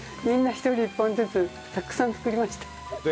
みんな１人１本ずつたくさん作りました。